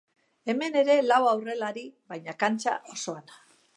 Hemen ere lau aurrelari baina kantxa osoan.